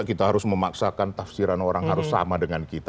kita harus memaksakan tafsiran orang harus sama dengan kita